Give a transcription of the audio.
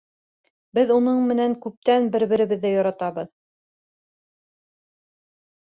Беҙ уның менән күптән бер-беребеҙҙе яратабыҙ.